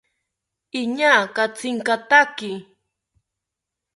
Iñaa katsinkataki